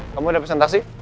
kamu ada presentasi